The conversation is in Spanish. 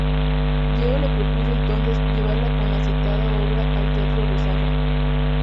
Lleó le propuso entonces llevarla con la citada obra al Teatro Ruzafa.